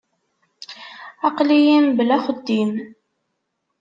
Aql-iyi mebla axeddim.